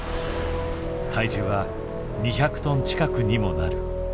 体重は２００トン近くにもなる。